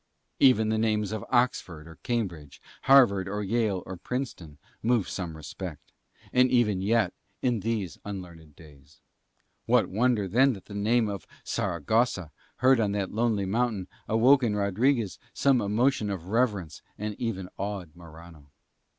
Even the names of Oxford or Cambridge, Harvard or Yale or Princeton, move some respect, and even yet in these unlearned days. What wonder then that the name of Saragossa heard on that lonely mountain awoke in Rodriguez some emotion of reverence and even awed Morano.